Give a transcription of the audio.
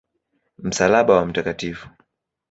Msalaba wa Mt.